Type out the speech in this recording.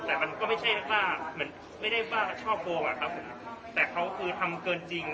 แต่มันก็ไม่ได้ว่าชอบโกงครับผมแต่เขาก็คือทำเกินจริง